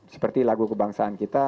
seperti lagu kebangsaan kita